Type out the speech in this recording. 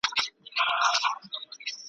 لا په لاس یې جوړوله اسبابونه .